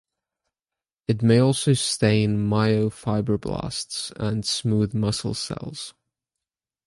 It may also stain myofibroblasts and smooth muscle cells.